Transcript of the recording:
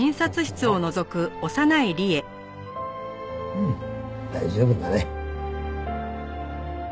うん大丈夫だね。